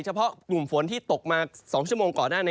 เฉพาะกลุ่มฝนที่ตกมา๒ชั่วโมงก่อน